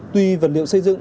tuy vật liệu xây dựng